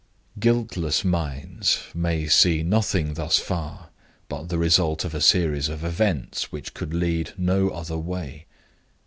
"Guiltless minds may see nothing thus far but the result of a series of events which could lead no other way.